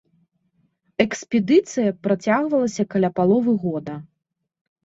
Экспедыцыя працягвалася каля паловы года.